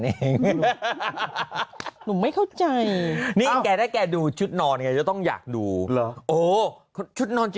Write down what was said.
เองหนูไม่เข้าใจถ้าแกดูชุดนอนเนี่ยจะต้องอยากดูชุดนอน